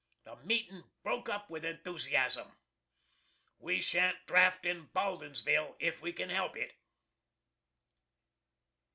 The meeting broke up with enthusiasm. We shan't draft in Baldinsville if we can help it.